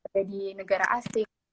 jadi negara asing